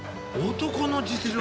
男の実力？